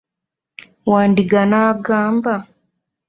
Wandiga n'agamba.